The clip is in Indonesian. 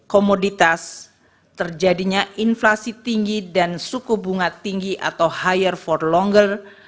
komoditas terjadinya inflasi tinggi dan suku bunga tinggi atau higher for longer